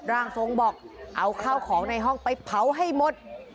ร่างทรงบอกเอาข้าวของในห้องไปเผาให้หมด